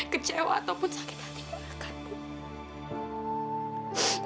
kecewa ataupun sakit hati